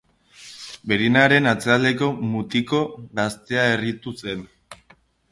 Berinaren atzealdeko mutiko gaztea harritu zen.